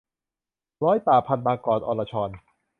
ร้อยป่า - พันธุ์ บางกอก-อรชร